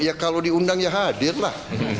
ya kalau diundang ya hadirlah